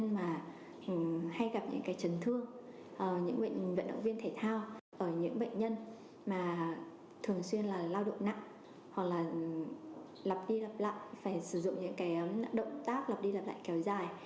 những bệnh nhân hay gặp những trấn thương những bệnh viện động viên thể thao ở những bệnh nhân thường xuyên là lao động nặng hoặc là lặp đi lặp lại phải sử dụng những động tác lặp đi lặp lại kéo dài